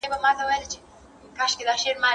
د هرات هوا تل سړه نه وي.